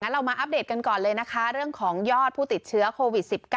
เรามาอัปเดตกันก่อนเลยนะคะเรื่องของยอดผู้ติดเชื้อโควิด๑๙